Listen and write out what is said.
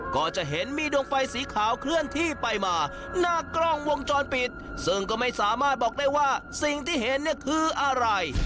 ก็จะเห็นมีดวงไฟสีขาวเคลื่อนที่ไปมาหน้ากล้องวงจรปิดซึ่งก็ไม่สามารถบอกได้ว่าสิ่งที่เห็นเนี่ยคืออะไร